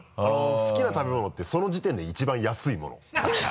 好きな食べ物ってその時点で１番安いものだから。